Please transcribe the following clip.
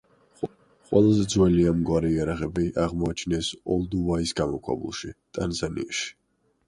ყველაზე ძველი ამგვარი იარაღები აღმოაჩინეს ოლდუვაის გამოქვაბულში, ტანზანიაში.